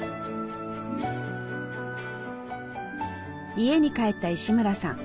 家に帰った石村さん。